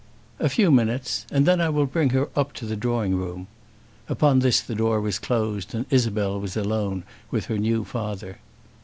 "A few minutes, and then I will bring her up to the drawing room." Upon this the door was closed, and Isabel was alone with her new father.